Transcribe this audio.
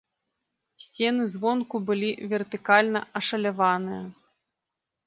Сцены звонку былі вертыкальна ашаляваныя.